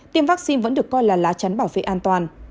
tiêm vaccine vẫn được coi là lá chắn bảo vệ an toàn